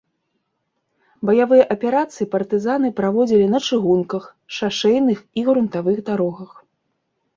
Баявыя аперацыі партызаны праводзілі на чыгунках, шашэйных і грунтавых дарогах.